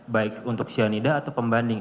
baik untuk cyanida atau pembanding